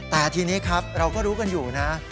แต่ทีนี้ครับเราก็รู้กันอยู่นะ